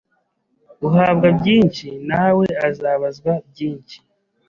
Uhabwa byinshi nawe azabazwa byinshi.